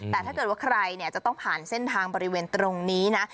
แต่ถ้าเกิดว่าใครจะต้องผ่านเส้นทางบริเวณตรงนี้นะ